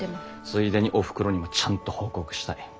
ついでにおふくろにもちゃんと報告したい。